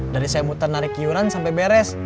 dari saya muter narik iuran sampai beres